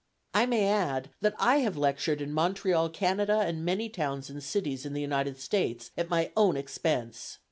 I may add, that I have lectured in Montreal, Canada, and many towns and cities in the United States, at my own expense.